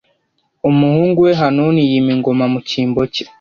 umuhungu we Hanuni yima ingoma mu cyimbo cye